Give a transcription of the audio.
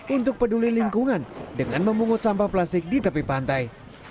untuk peduli lingkungan dengan memungut sampah plastik di tepi pantai